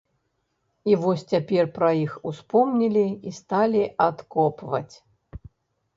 І вось цяпер пра іх успомнілі і сталі адкопваць.